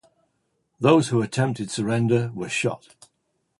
Those who attempted surrender were shot.